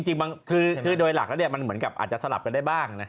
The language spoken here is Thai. จริงคือโดยหลักแล้วมันเหมือนกับอาจจะสลับกันได้บ้าง